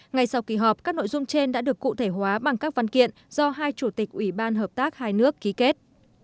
ngày sau kỳ họp các nội dung trên đã được cụ thể hóa bằng các văn kiện do hai chủ tịch ủy ban hợp tác hai nước ký kết